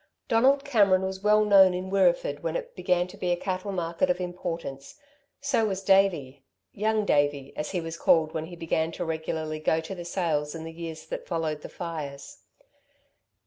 Donald Cameron was well known in Wirreeford when it began to be a cattle market of importance. So was Davey Young Davey as he was called when he began to go regularly to the sales in the years that followed the fires.